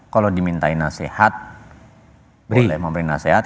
kalau dimintai nasihat boleh memberi nasihat